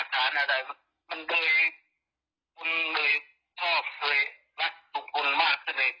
อาหารอะไรมันโดยคุณโดยความว่ามักสุขคุณมากก็เลย